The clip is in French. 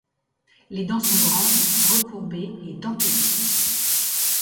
Les dents sont grandes, recourbées et dentelées.